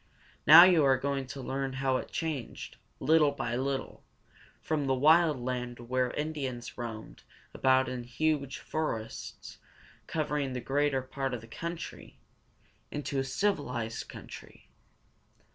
Now you are going to learn how it changed, little by little, from the wild land where Indians roamed about in the huge forests covering the greater part of the country, into a civilized country.